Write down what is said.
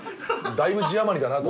だいぶ字余りだなと。